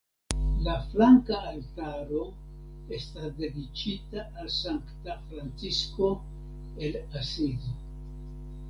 La flanka altaro estas dediĉita al Sankta Francisko el Asizo.